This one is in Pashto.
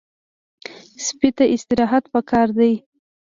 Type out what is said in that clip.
سپي ته استراحت پکار دی.